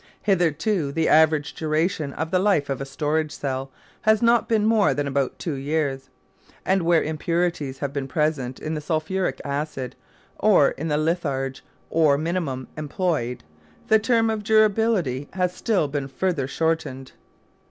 Hitherto the average duration of the life of a storage cell has not been more than about two years; and where impurities have been present in the sulphuric acid, or in the litharge or "minium" employed, the term of durability has been still further shortened.